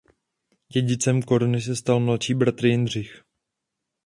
Dědicem koruny se stal mladší bratr Jindřich.